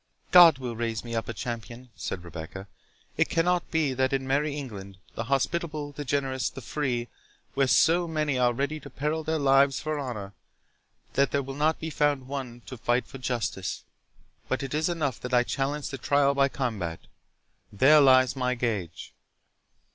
"God will raise me up a champion," said Rebecca—"It cannot be that in merry England—the hospitable, the generous, the free, where so many are ready to peril their lives for honour, there will not be found one to fight for justice. But it is enough that I challenge the trial by combat—there lies my gage."